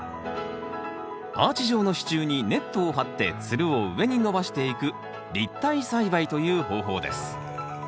アーチ状の支柱にネットを張ってつるを上に伸ばしていく立体栽培という方法です。